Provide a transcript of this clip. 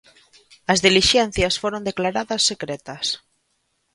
As dilixencias foron declaradas secretas.